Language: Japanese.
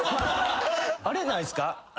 あれないっすか？